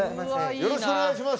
よろしくお願いします。